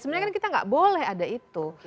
sebenarnya kita gak boleh ada itu